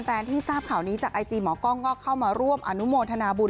ที่ทราบข่าวนี้จากไอจีหมอกล้องก็เข้ามาร่วมอนุโมทนาบุญ